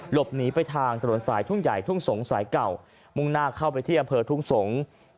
หลบหนีไปทางถนนสายทุ่งใหญ่ทุ่งสงสายเก่ามุ่งหน้าเข้าไปที่อำเภอทุ่งสงศ์